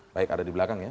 baik ada di belakang ya